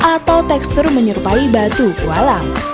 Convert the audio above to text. atau tekstur menyerupai batu kuala